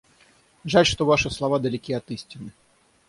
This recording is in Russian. Жаль, что ваши слова далеки от истины.